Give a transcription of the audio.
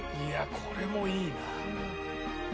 「いやこれもいいな」